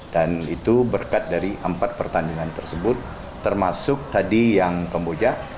dan itu berkat dari empat pertandingan tersebut termasuk tadi yang kamboja